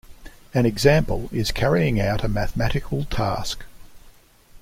An example is carrying out a mathematical task.